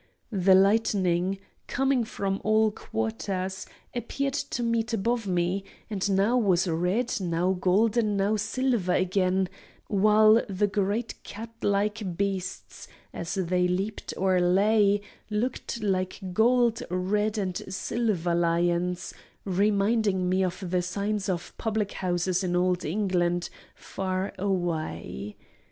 The lightning, coming from all quarters, appeared to meet above me, and now was red, now golden, now silver again, while the great cat like beasts, as they leaped or lay, looked like gold, red, and silver lions, reminding me of the signs of public houses in old England, far away.